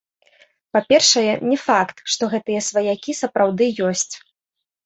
Па-першае, не факт, што гэтыя сваякі сапраўды ёсць.